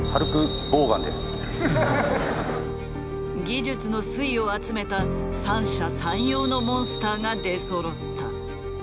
技術の粋を集めた三者三様のモンスターが出そろった。